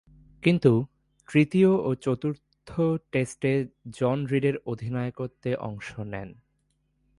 কিন্তু, তৃতীয় ও চতুর্থ টেস্টে জন রিডের অধিনায়কত্বে অংশ নেন।